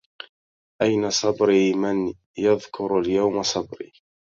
أين صبري من يذكر اليوم صبري